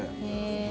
へえ。